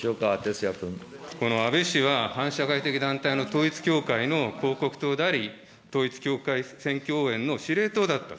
安倍氏は、反社会的団体の統一教会の広告塔であり、統一教会選挙応援の司令塔だったと。